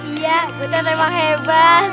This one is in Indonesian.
iya butet emang hebat